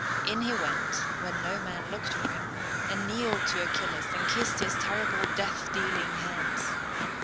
In he went, when no man looked for him, and kneeled to Achilles, and kissed his terrible death dealing hands.